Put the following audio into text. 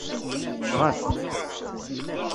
Ɣef.